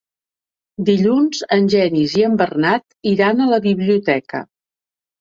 Dilluns en Genís i en Bernat iran a la biblioteca.